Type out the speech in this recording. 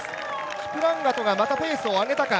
キプランガトがまたペースを上げたか。